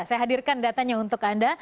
saya hadirkan datanya untuk anda